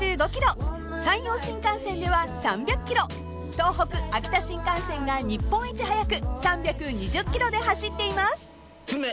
［東北・秋田新幹線が日本一速く３２０キロで走っています］